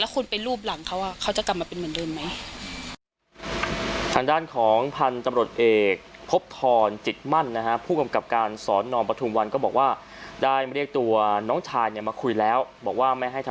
คุณทำร้ายคุณค่ะ